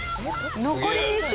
残り２周！